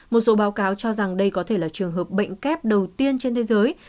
một số báo cáo cho rằng đây có thể là trường hợp bệnh kép đầu tiên trên thế giới